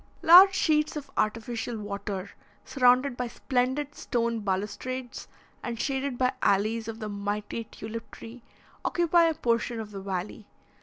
Large sheets of artificial water, surrounded by splendid stone balustrades, and shaded by alleys of the mighty tulip tree, occupy a portion of the valley.